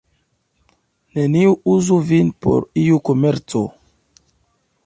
Neniu uzu vin por iu komerco.